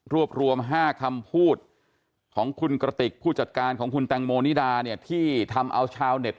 รวมรวม๕คำพูดของคุณกระติกผู้จัดการของคุณแตงโมนิดาเนี่ยที่ทำเอาชาวเน็ต